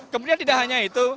kemudian tidak hanya itu